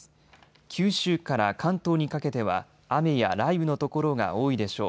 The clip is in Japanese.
九州から関東にかけては雨や雷雨の所が多いでしょう。